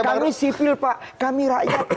kami sivil pak kami rakyat